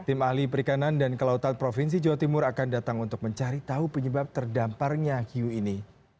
tim ahli perikanan dan kelautan provinsi jawa timur akan datang untuk mencari tahu penyebab terdamparnya hiu ini